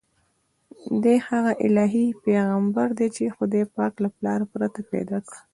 دی هغه الهي پیغمبر دی چې خدای پاک له پلار پرته پیدا کړ.